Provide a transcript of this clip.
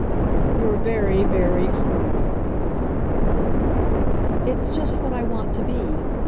"You're very, very honourable." "It's just what I want to be.